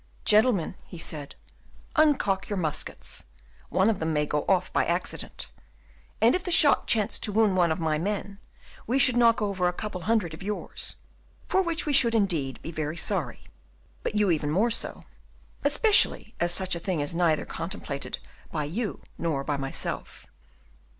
"Gentlemen," he said, "uncock your muskets, one of them may go off by accident; and if the shot chanced to wound one of my men, we should knock over a couple of hundreds of yours, for which we should, indeed, be very sorry, but you even more so; especially as such a thing is neither contemplated by you nor by myself."